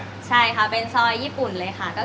ใช่ค่ะเป็นซอยญี่ปุ่นเลยค่ะ